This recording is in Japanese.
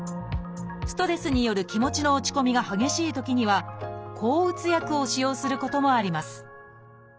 ストレスによる気持ちの落ち込みが激しいときには抗うつ薬を使用することもあります